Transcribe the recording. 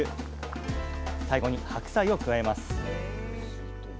最後に白菜を加えます。